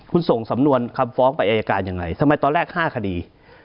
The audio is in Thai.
คุณส่งสำนวนคำฟ้องไปอายการยังไงทำไมตอนแรก๕คดี